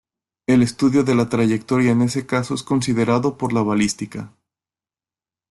El estudio de la trayectoria en ese caso es considerado por la balística.